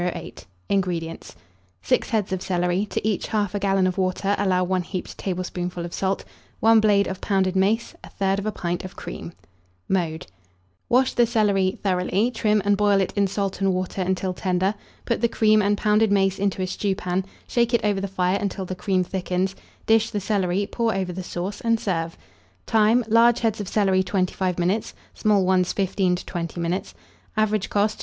INGREDIENTS. 6 heads of celery; to each 1/2 gallon of water allow 1 heaped tablespoonful of salt, 1 blade of pounded mace, 1/3 pint of cream. Mode. Wash the celery thoroughly; trim, and boil it in salt and water until tender. Put the cream and pounded mace into a stewpan; shake it over the fire until the cream thickens, dish the celery, pour over the sauce, and serve. Time. Large heads of celery, 25 minutes; small ones, 15 to 20 minutes. Average cost. 2d.